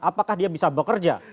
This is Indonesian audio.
apakah dia bisa bekerja